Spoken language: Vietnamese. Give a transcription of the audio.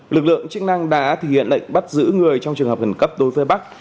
lực lượng chức năng đã thực hiện lệnh bắt giữ người trong trường hợp khẩn cấp đối với bắc